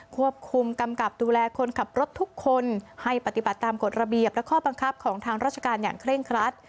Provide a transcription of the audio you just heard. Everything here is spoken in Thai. ควบคุมกำกับดูแลคนขับรถทุกคนให้ปฏิบัติตามกฎระเบียบและข้อบังคับของทางราชการอย่างเคร่งครัด